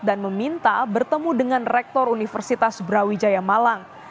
dan meminta bertemu dengan rektor universitas brawijaya malang